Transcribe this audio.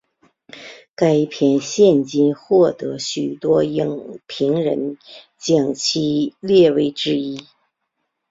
该片现今获得许多影评人将其列为之一。